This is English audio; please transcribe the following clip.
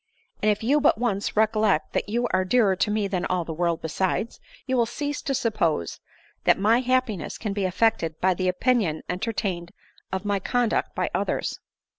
" And if you but once recollect that you are dearer to me than all the world besides, you will cease to suppose that my happiness can be affected by the opinion enter tained of my conduct by others."